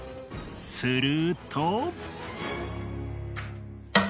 すると。